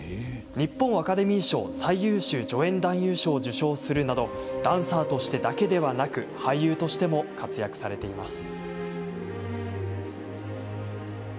日本アカデミー賞最優秀助演男優賞を受賞するなどダンサーとしてだけではなく俳優としても活躍されています。